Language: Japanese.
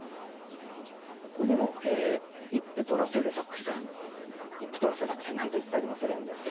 まあでも一歩取らせる作戦一歩取らせ作戦なんといったりもするんですが。